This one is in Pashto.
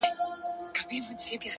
لوړ همت محدودیتونه کوچني کوي!.